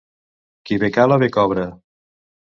Qui bé cala bé cobra.